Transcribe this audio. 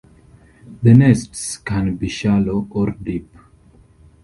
The nests can be shallow or deep.